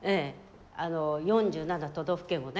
４７都道府県をね